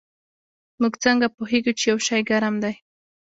موږ څنګه پوهیږو چې یو شی ګرم دی